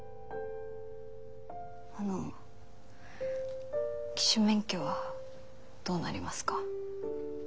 あの騎手免許はどうなりますか？